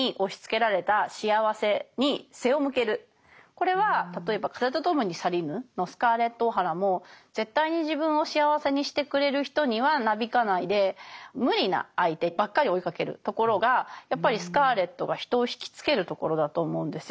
これは例えば「風と共に去りぬ」のスカーレット・オハラも絶対に自分を幸せにしてくれる人にはなびかないで無理な相手ばっかり追いかけるところがやっぱりスカーレットが人を惹きつけるところだと思うんですよ。